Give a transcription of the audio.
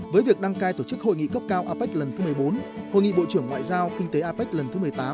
với việc đăng cai tổ chức hội nghị cấp cao apec lần thứ một mươi bốn hội nghị bộ trưởng ngoại giao kinh tế apec lần thứ một mươi tám